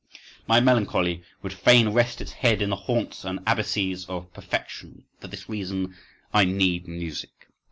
My melancholy would fain rest its head in the haunts and abysses of perfection; for this reason I need music.